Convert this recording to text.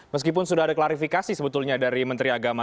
meskipun sudah ada klarifikasi sebetulnya dari menteri agama